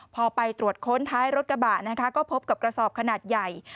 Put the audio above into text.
พอไปตรวจค้นท้ายรถกระบะนะคะก็พบกับกระสอบขนาดใหญ่